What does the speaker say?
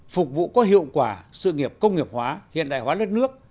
phục vụ có hiệu quả sự nghiệp công nghiệp hóa hiện đại hóa đất nước